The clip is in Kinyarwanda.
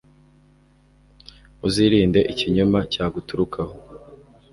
uzirinde ikinyoma cyaguturukaho